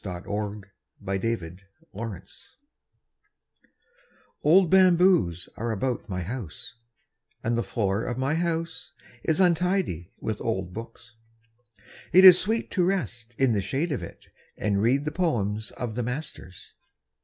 _ ANNAM THE BAMBOO GARDEN Old bamboos are about my house, And the floor of my house is untidy with old books. It is sweet to rest in the shade of it And read the poems of the masters.